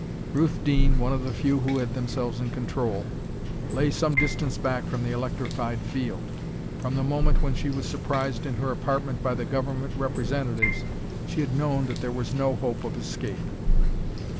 Ruth Deane, one of the few who had themselves in control, lay some distance back from the electrified field. From the moment when she was surprised in her apartment by the Government representatives, she had known that there was no hope of escape.